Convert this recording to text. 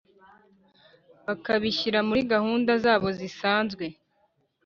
Bakabishyira muri gahunda zabo zisanzwe